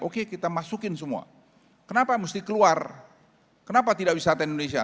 oke kita masukin semua kenapa mesti keluar kenapa tidak wisata indonesia